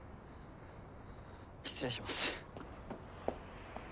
失礼します。